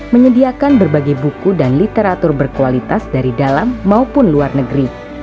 menyediakan berbagai buku dan literatur berkualitas dari dalam maupun luar negeri